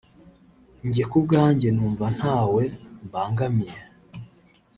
njye kubwanjye numva ntawe mbangamiye